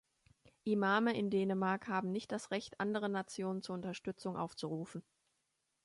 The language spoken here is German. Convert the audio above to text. Imame in Dänemark haben nicht das Recht, andere Nationen zur Unterstützung aufzurufen.